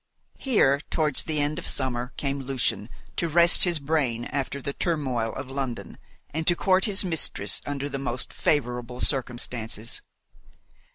Here, towards the end of summer, came Lucian, to rest his brain after the turmoil of London, and to court his mistress under the most favourable circumstances.